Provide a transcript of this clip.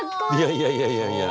いやいやいやいや。